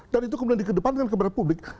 dan itu kemudian di kedepan dengan kepada publik